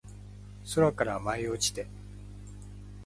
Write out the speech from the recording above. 空から舞い落ちて